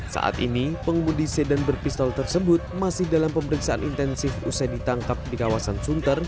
saat ini pengemudi sedan berpistol tersebut masih dalam pemeriksaan intensif usai ditangkap di kawasan sunter